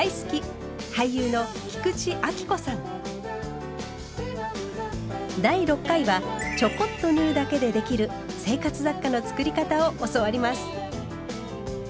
俳優の第６回はちょこっと縫うだけでできる生活雑貨の作り方を教わります。